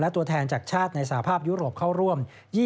ตัวแทนจากชาติในสภาพยุโรปเข้าร่วม